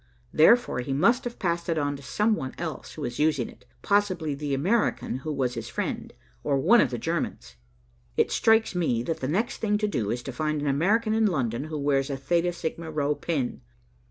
Therefore he must have passed it on to some one else who is using it, possibly the American who was his friend, or one of the Germans. It strikes me that the next thing to do is to find an American in London who wears a Theta Sigma Rho pin."